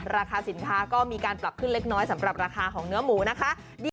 ราคาสินค้าก็มีการปรับขึ้นเล็กน้อยสำหรับราคาของเนื้อหมูนะคะ